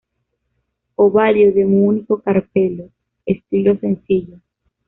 Ovario de un único carpelo, estilo sencillo.